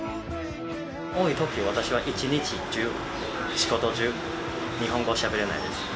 多いとき、私は一日中、仕事中、日本語をしゃべれないです。